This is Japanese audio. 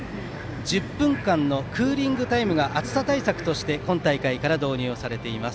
１０分間のクーリングタイムが暑さ対策として今大会から導入をされています。